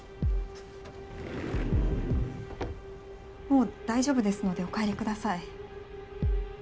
もう大丈夫ですのでお帰りください。